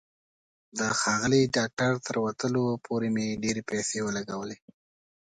د ښاغلي ډاکټر تر ورتلو پورې مې ډېرې پیسې ولګولې.